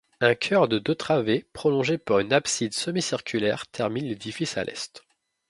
Un chœur de deux travées prolongé par une abside semi-circulaire termine l'édifice à l'est.